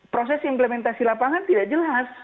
proses implementasi lapangan tidak jelas